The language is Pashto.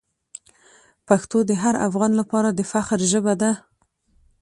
پښتو د هر افغان لپاره د فخر ژبه ده.